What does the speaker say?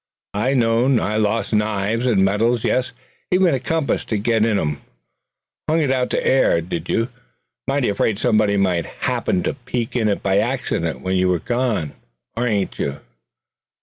I've known lost knives, and medals, yes, and even compasses to get in 'em. Hung it out to air, did you? Mighty afraid somebody might happen to peek in it by accident when you was gone, ain't you?"